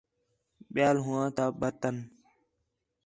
ٻِیال ہوآں تا برتن